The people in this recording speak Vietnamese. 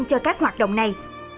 cho các hoạt động này